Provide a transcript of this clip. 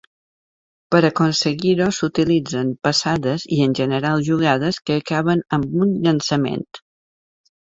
Per aconseguir-ho s'utilitzen passades i, en general, jugades, que acaben amb un llançament.